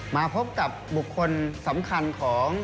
มาพบกับบุคคลสำคัญของ